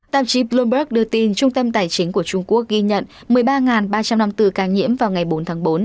tạp chí bloomberg đưa tin trung tâm tài chính của trung quốc ghi nhận một mươi ba ba trăm năm mươi bốn ca nhiễm vào ngày bốn tháng bốn